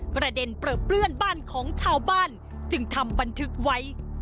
ประเด็นเปลือเปลื้อนบ้านของชาวบ้านจึงทำบันทึกไว้